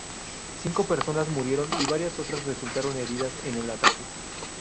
Cinco personas murieron y varias otras resultaron heridas en el ataque.